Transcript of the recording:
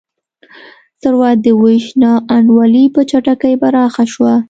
ثروت د وېش نا انډولي په چټکۍ پراخه شوه.